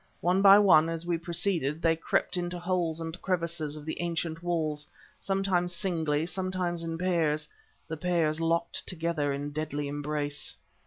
One by one, as we proceeded, they crept into holes and crevices of the ancient walls, sometimes singly, sometimes in pairs the pairs locked together in deadly embrace.